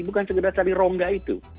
bukan sekedar cari rongga itu